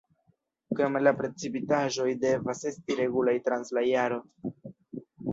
Krome la precipitaĵoj devas esti regulaj trans la jaro.